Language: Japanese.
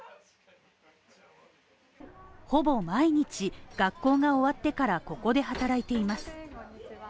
ほぼ毎日、学校が終わってからここで働いています。